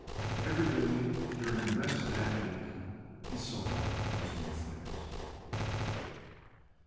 Every day during the rest of that week he saw his new friends.